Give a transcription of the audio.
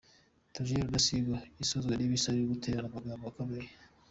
Theogene Rudasingwa, isozwa n’ibisa no guterana amagambo gukomeye.